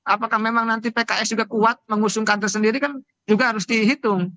apakah memang nanti pks juga kuat mengusungkan tersendiri kan juga harus dihitung